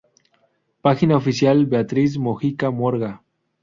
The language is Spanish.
Página oficial Beatriz Mojica Morga